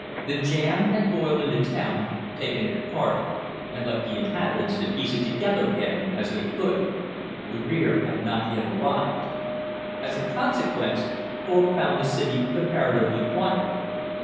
The "jam" had boiled into town, "taken it apart," and left the inhabitants to piece it together again as they could; the "rear" had not yet arrived. As a consequence, Thorpe found the city comparatively quiet.